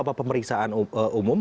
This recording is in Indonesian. apa pemeriksaan umum